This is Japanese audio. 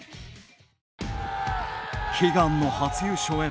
悲願の初優勝へ。